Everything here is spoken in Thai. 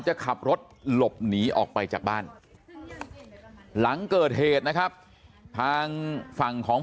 จะขับรถหลบหนีออกไปจากบ้านหลังเกิดเหตุนะครับทางฝั่งของ